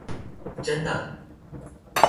真的！